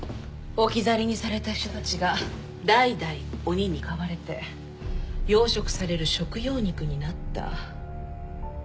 置き去りにされた人たちが代々鬼に飼われて養殖される食用肉になった。